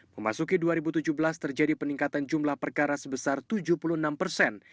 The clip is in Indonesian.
memasuki dua ribu tujuh belas terjadi peningkatan jumlah perkara sebesar tujuh puluh enam persen